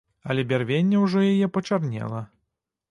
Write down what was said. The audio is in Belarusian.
Але бярвенне ўжо яе пачарнела.